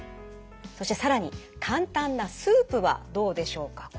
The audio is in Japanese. そして更に簡単なスープはどうでしょうか。